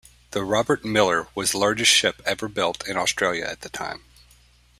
The "Robert Miller" was the largest ship ever built in Australia at the time.